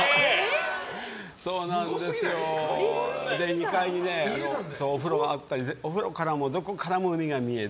２階にお風呂があったりお風呂からもどこからも海が見えて。